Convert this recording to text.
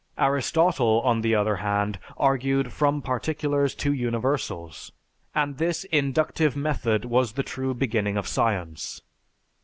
Aristotle, on the other hand, argued from particulars to universals, and this inductive method was the true beginning of science.